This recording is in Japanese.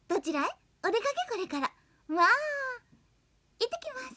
「いってきます。